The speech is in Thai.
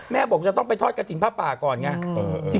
แม่บอกจะต้องไปทอดกระจินภาพป่าก่อนไง